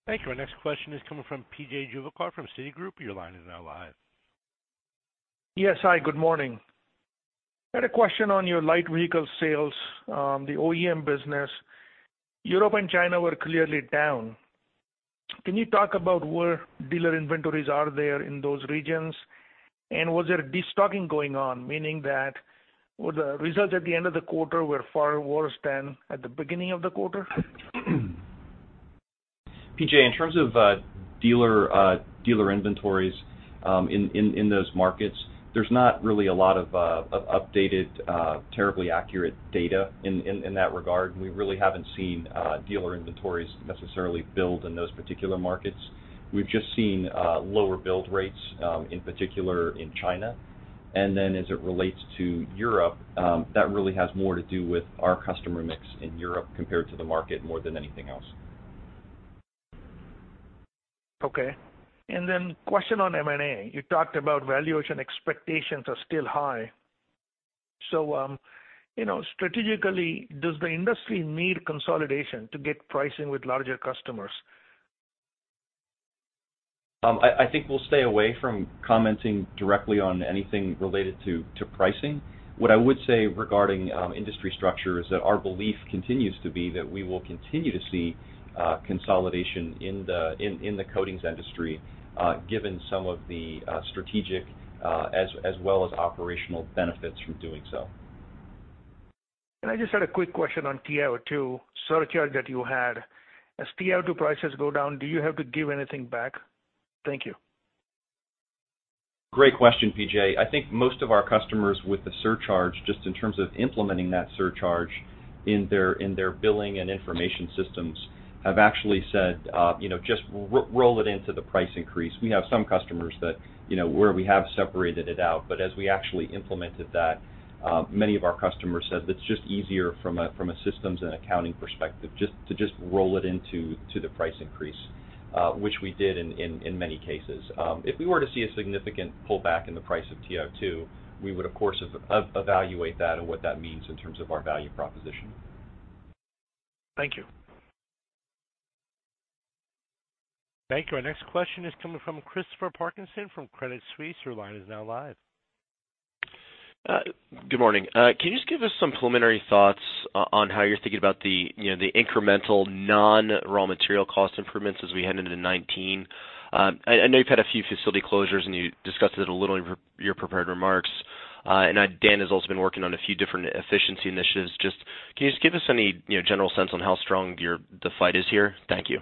Thank you. Our next question is coming from P.J. Juvekar from Citi. Your line is now live. Yes, hi, good morning. I had a question on your light vehicle sales, the OEM business. Europe and China were clearly down. Can you talk about where dealer inventories are there in those regions? Was there a destocking going on, meaning that were the results at the end of the quarter were far worse than at the beginning of the quarter? P.J., in terms of dealer inventories in those markets, there's not really a lot of updated, terribly accurate data in that regard. We really haven't seen dealer inventories necessarily build in those particular markets. We've just seen lower build rates, in particular in China. As it relates to Europe, that really has more to do with our customer mix in Europe compared to the market more than anything else. Okay. Question on M&A. You talked about valuation expectations are still high. Strategically, does the industry need consolidation to get pricing with larger customers? I think we'll stay away from commenting directly on anything related to pricing. What I would say regarding industry structure is that our belief continues to be that we will continue to see consolidation in the coatings industry, given some of the strategic as well as operational benefits from doing so. I just had a quick question on TiO2 surcharge that you had. As TiO2 prices go down, do you have to give anything back? Thank you. Great question, P.J. I think most of our customers with the surcharge, just in terms of implementing that surcharge in their billing and information systems, have actually said, "Just roll it into the price increase." We have some customers where we have separated it out, but as we actually implemented that, many of our customers said that it's just easier from a systems and accounting perspective, to just roll it into the price increase, which we did in many cases. If we were to see a significant pullback in the price of TiO2, we would of course, evaluate that and what that means in terms of our value proposition. Thank you. Thank you. Our next question is coming from Christopher Parkinson from Credit Suisse. Your line is now live. Good morning. Can you just give us some preliminary thoughts on how you're thinking about the incremental non-raw material cost improvements as we head into 2019? I know you've had a few facility closures, and you discussed it a little in your prepared remarks. I know Dan has also been working on a few different efficiency initiatives. Just, can you just give us any general sense on how strong the fight is here? Thank you.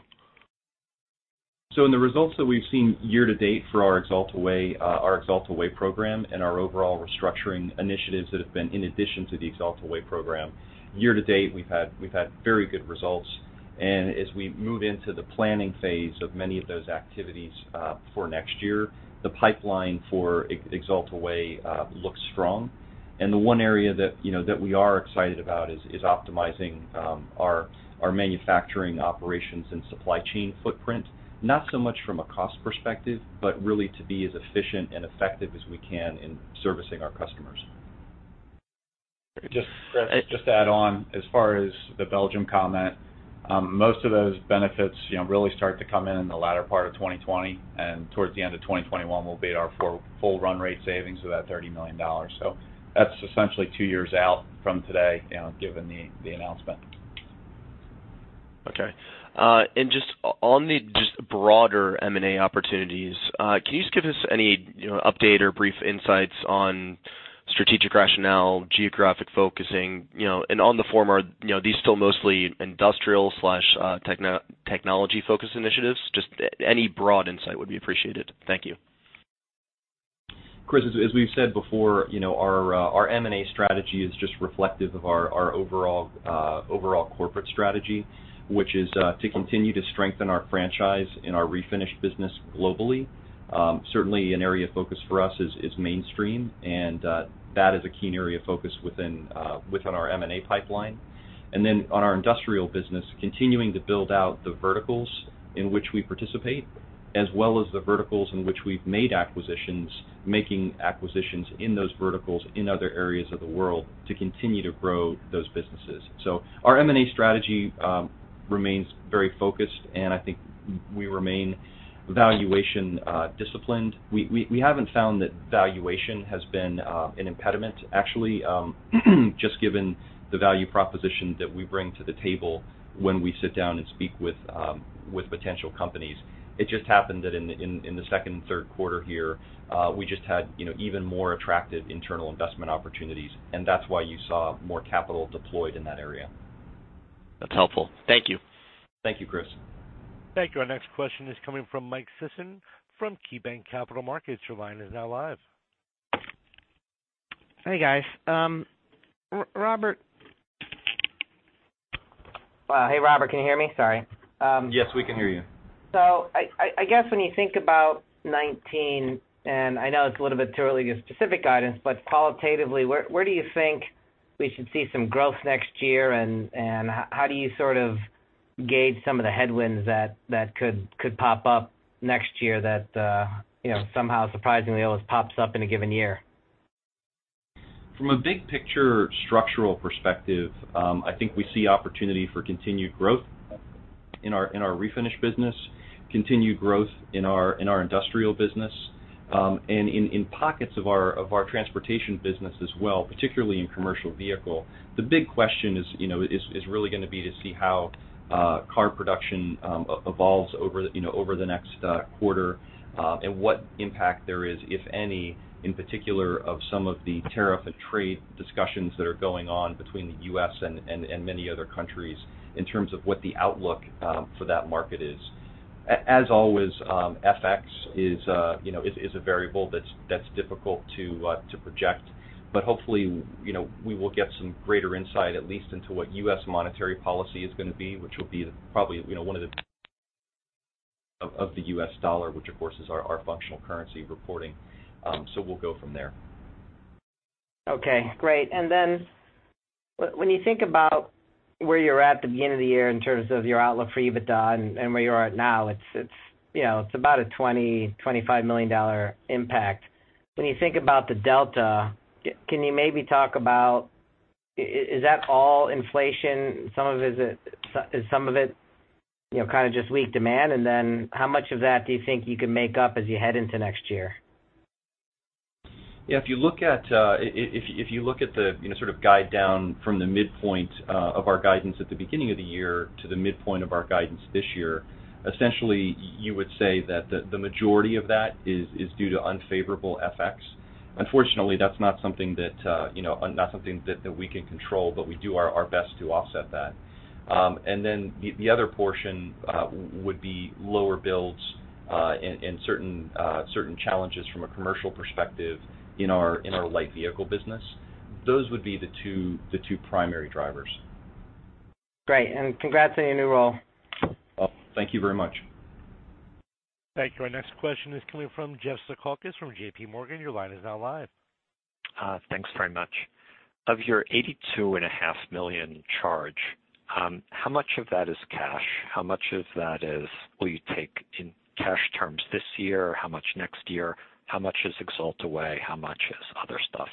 In the results that we've seen year to date for our Axalta Way program and our overall restructuring initiatives that have been in addition to the Axalta Way program, year to date, we've had very good results. As we move into the planning phase of many of those activities for next year, the pipeline for Axalta Way looks strong. The one area that we are excited about is optimizing our manufacturing operations and supply chain footprint. Not so much from a cost perspective, but really to be as efficient and effective as we can in servicing our customers. Just to add on, as far as the Belgium comment, most of those benefits really start to come in in the latter part of 2020, and towards the end of 2021, we'll be at our full run rate savings of that $30 million. That's essentially two years out from today, given the announcement. Okay. Just on the broader M&A opportunities, can you just give us any update or brief insights on strategic rationale, geographic focusing, and on the former, are these still mostly industrial/technology-focused initiatives? Just any broad insight would be appreciated. Thank you. Chris, as we've said before, our M&A strategy is just reflective of our overall corporate strategy, which is to continue to strengthen our franchise in our Refinish business globally. Certainly, an area of focus for us is mainstream, and that is a key area of focus within our M&A pipeline. On our industrial business, continuing to build out the verticals in which we participate. As well as the verticals in which we've made acquisitions, making acquisitions in those verticals in other areas of the world to continue to grow those businesses. Our M&A strategy remains very focused, and I think we remain valuation disciplined. We haven't found that valuation has been an impediment, actually, just given the value proposition that we bring to the table when we sit down and speak with potential companies. It just happened that in the second and third quarter here, we just had even more attractive internal investment opportunities, and that's why you saw more capital deployed in that area. That's helpful. Thank you. Thank you, Chris. Thank you. Our next question is coming from Michael Sison from KeyBanc Capital Markets. Your line is now live. Hey, guys. Hey, Robert, can you hear me? Sorry. Yes, we can hear you. I guess when you think about 2019, and I know it's a little bit too early to give specific guidance, but qualitatively, where do you think we should see some growth next year, and how do you gauge some of the headwinds that could pop up next year that somehow, surprisingly, always pops up in a given year? From a big picture structural perspective, I think we see opportunity for continued growth in our Refinish business, continued growth in our Industrial business, and in pockets of our Transportation business as well, particularly in commercial vehicle. The big question is really going to be to see how car production evolves over the next quarter, and what impact there is, if any, in particular of some of the tariff and trade discussions that are going on between the U.S. and many other countries in terms of what the outlook for that market is. As always, FX is a variable that's difficult to project. Hopefully, we will get some greater insight, at least into what U.S. monetary policy is going to be, which will be probably one of the U.S. dollar, which, of course, is our functional currency reporting. We'll go from there. Okay, great. When you think about where you're at at the beginning of the year in terms of your outlook for EBITDA and where you are at now, it's about a $20 million-$25 million impact. When you think about the delta, can you maybe talk about, is that all inflation? Some of it is kind of just weak demand. How much of that do you think you can make up as you head into next year? If you look at the sort of guide down from the midpoint of our guidance at the beginning of the year to the midpoint of our guidance this year, essentially, you would say that the majority of that is due to unfavorable FX. Unfortunately, that's not something that we can control, but we do our best to offset that. The other portion would be lower builds, and certain challenges from a commercial perspective in our light vehicle business. Those would be the two primary drivers. Great. Congrats on your new role. Thank you very much. Thank you. Our next question is coming from Jeffrey Zekauskas from JPMorgan. Your line is now live. Thanks very much. Of your $82.5 million charge, how much of that is cash? How much of that will you take in cash terms this year, or how much next year? How much is Axalta Way? How much is other stuff?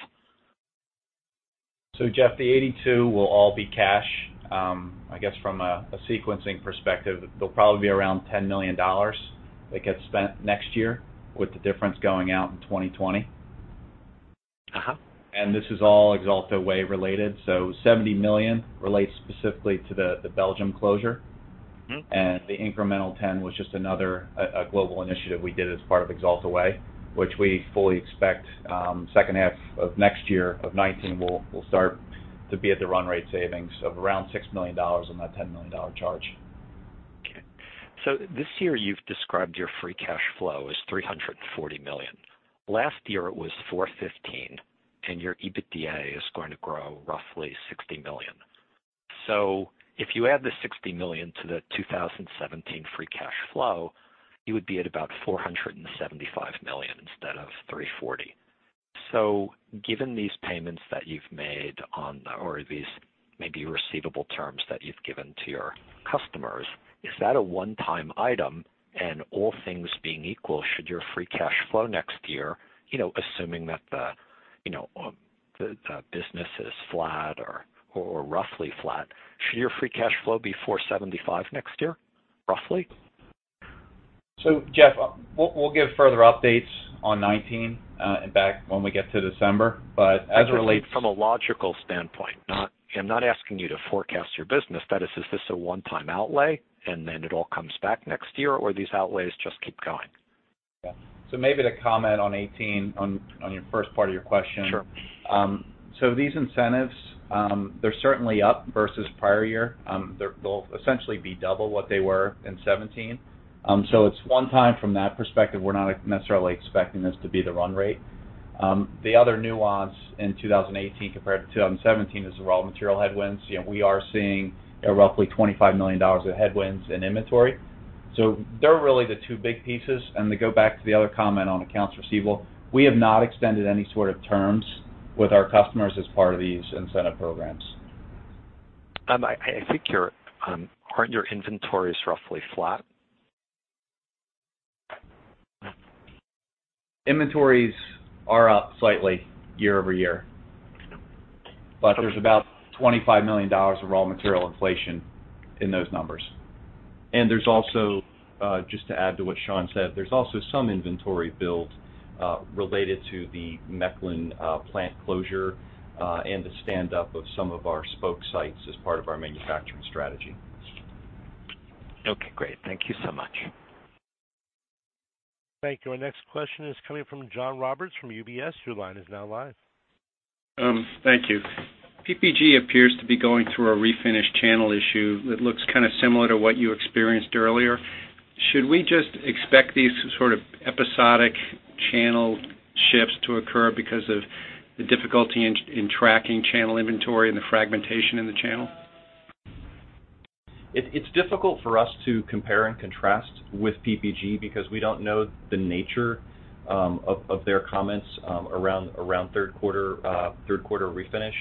Jeff, the 82 will all be cash. I guess from a sequencing perspective, there will probably be around $10 million that gets spent next year, with the difference going out in 2020. This is all Axalta Way related. $70 million relates specifically to the Belgium closure. The incremental 10 was just another global initiative we did as part of Axalta Way, which we fully expect second half of next year, of 2019, we'll start to be at the run rate savings of around $6 million on that $10 million charge. Okay. This year you've described your free cash flow as $340 million. Last year it was $415 million, and your EBITDA is going to grow roughly $60 million. If you add the $60 million to the 2017 free cash flow, you would be at about $475 million instead of $340 million. Given these payments that you've made on, or these maybe receivable terms that you've given to your customers, is that a one-time item? All things being equal, should your free cash flow next year, assuming that the business is flat or roughly flat, should your free cash flow be $475 million next year, roughly? Jeff, we'll give further updates on 2019 back when we get to December. As it relates- I'm thinking from a logical standpoint. I'm not asking you to forecast your business. Is this a one-time outlay, and then it all comes back next year, or these outlays just keep going? Yeah. Maybe to comment on 2018, on your first part of your question. Sure. These incentives, they're certainly up versus prior year. They'll essentially be double what they were in 2017. It's one-time from that perspective. We're not necessarily expecting this to be the run rate. The other nuance in 2018 compared to 2017 is the raw material headwinds. We are seeing roughly $25 million of headwinds in inventory. They're really the two big pieces, and to go back to the other comment on accounts receivable, we have not extended any sort of terms with our customers as part of these incentive programs. I think, aren't your inventories roughly flat? Inventories are up slightly year-over-year. There's about $25 million of raw material inflation in those numbers. Just to add to what Sean said, there's also some inventory build related to the Mechelen plant closure, and the standup of some of our spoke sites as part of our manufacturing strategy. Okay, great. Thank you so much. Thank you. Our next question is coming from John Roberts from UBS. Your line is now live. Thank you. PPG appears to be going through a Refinish channel issue that looks kind of similar to what you experienced earlier. Should we just expect these sort of episodic channel shifts to occur because of the difficulty in tracking channel inventory and the fragmentation in the channel? It's difficult for us to compare and contrast with PPG because we don't know the nature of their comments around third quarter refinish.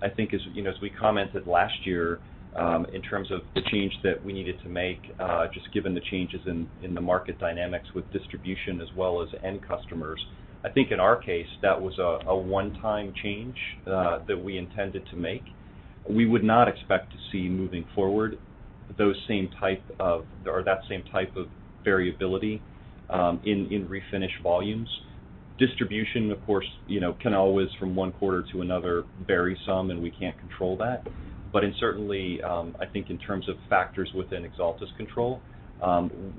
I think as we commented last year, in terms of the change that we needed to make, just given the changes in the market dynamics with distribution as well as end customers, I think in our case, that was a one-time change that we intended to make. We would not expect to see moving forward that same type of variability in refinish volumes. Distribution, of course, can always from one quarter to another vary some and we can't control that. Certainly, I think in terms of factors within Axalta's control,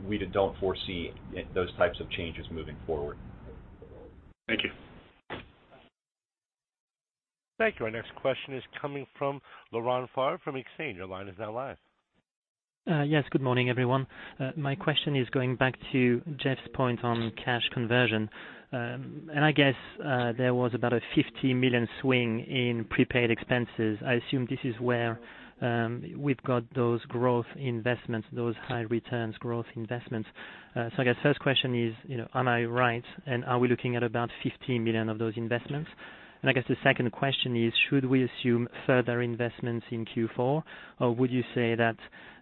we don't foresee those types of changes moving forward. Thank you. Thank you. Our next question is coming from Laurent Favre from Exane. Your line is now live. Good morning, everyone. My question is going back to Jeff's point on cash conversion. I guess there was about a $50 million swing in prepaid expenses. I assume this is where we've got those growth investments, those high returns growth investments. So I guess first question is, am I right? Are we looking at about $50 million of those investments? I guess the second question is, should we assume further investments in Q4? Or would you say that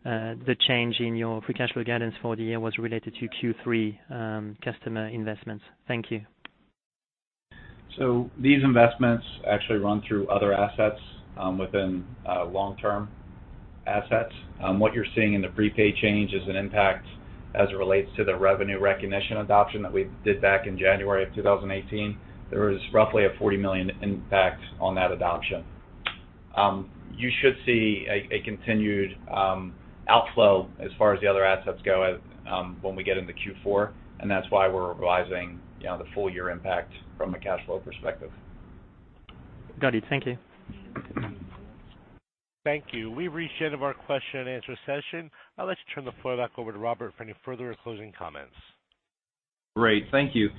the change in your free cash flow guidance for the year was related to Q3 customer investments? Thank you. These investments actually run through other assets within long-term assets. What you're seeing in the prepaid change is an impact as it relates to the revenue recognition adoption that we did back in January of 2018. There was roughly a $40 million impact on that adoption. You should see a continued outflow as far as the other assets go when we get into Q4, and that's why we're revising the full year impact from a cash flow perspective. Got it. Thank you. Thank you. We've reached the end of our question and answer session. I'll let you turn the floor back over to Robert for any further or closing comments. Great. Thank you.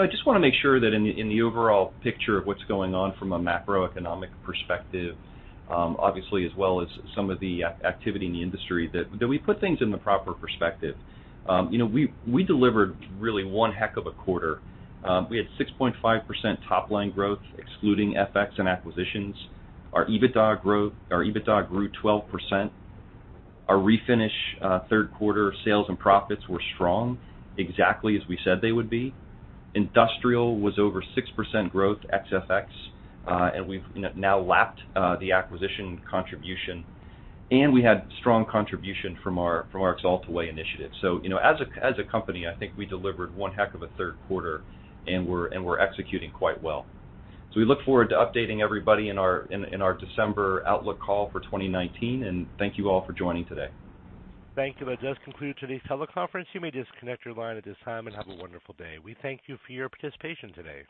I just want to make sure that in the overall picture of what's going on from a macroeconomic perspective, obviously, as well as some of the activity in the industry, that we put things in the proper perspective. We delivered really one heck of a quarter. We had 6.5% top-line growth, excluding FX and acquisitions. Our EBITDA grew 12%. Our Refinish third quarter sales and profits were strong, exactly as we said they would be. Industrial was over 6% growth ex FX. We've now lapped the acquisition contribution. We had strong contribution from our Axalta Way initiative. As a company, I think we delivered one heck of a third quarter, and we're executing quite well. We look forward to updating everybody in our December outlook call for 2019, and thank you all for joining today. Thank you. That does conclude today's teleconference. You may disconnect your line at this time, and have a wonderful day. We thank you for your participation today.